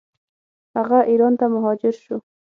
هغه ایران ته مهاجر شو.